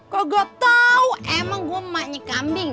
kau gak tau emang gue emaknya kambing